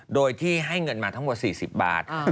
โดยที่ให้เงินมาทั้งหมด๔๐บาท